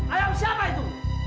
ayam siapa itu